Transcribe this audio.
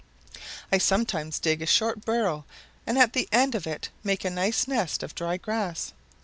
"I sometimes dig a short burrow and at the end of it make a nice nest of dry grass.